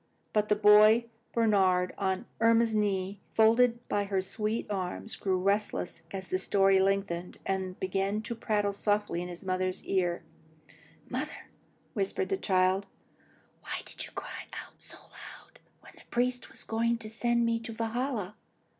But the boy Bernhard, on Irma's knee, folded by her soft arm, grew restless as the story lengthened, and began to prattle softly at his mother's ear. "Mother," whispered the child, "why did you cry out so loud, when the priest was going to send me to Valhalla?"